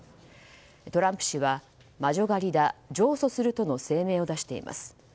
トランプ氏は、魔女狩りだ上訴するとの声明を出しています。